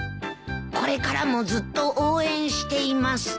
「これからもずっと応援しています」